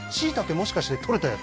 もしかして採れたやつ？